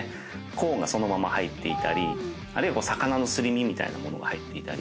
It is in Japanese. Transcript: コーンがそのまま入っていたり魚のすり身みたいな物が入っていたり。